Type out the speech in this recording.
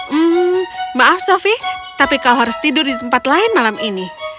hmm maaf sofi tapi kau harus tidur di tempat lain malam ini